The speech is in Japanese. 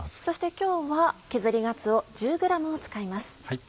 そして今日は削りがつお１０ｇを使います。